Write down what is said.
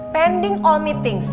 pending all meeting